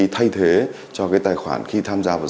thay thế cho cái tài khoản khi tham gia vào dịch vụ công